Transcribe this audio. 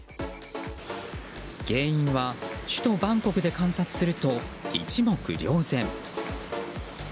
原因は、首都バンコクで観察すると一目瞭然。